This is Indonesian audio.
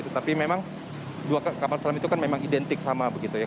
tetapi memang dua kapal selam itu kan memang identik sama begitu ya